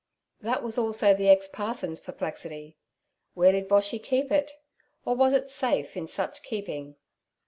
That was also the ex parson's perplexity. Where did Boshy keep it? or was it safe in such keeping?